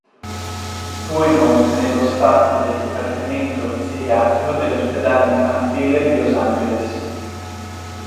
Fu inoltre nello staff del Dipartimento Psichiatrico dell'ospedale infantile di Los Angeles.